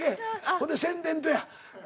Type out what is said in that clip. ほんで宣伝とや。